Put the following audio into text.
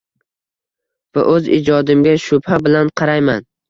Va oʻz ijodimga shubha bilan qarayman